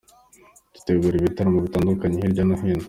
dutegura ibitaramo bitandukanye hirya no hino".